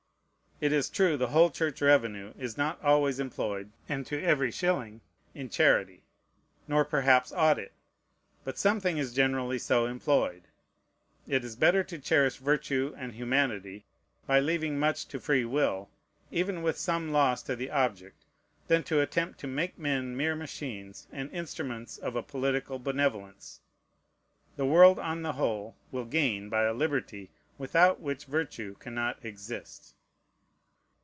It is true, the whole Church revenue is not always employed, and to every shilling, in charity; nor perhaps ought it; but something is generally so employed. It is better to cherish virtue and humanity, by leaving much to free will, even with some loss to the object, than to attempt to make men mere machines and instruments of a political benevolence. The world on the whole will gain by a liberty without which virtue cannot exist.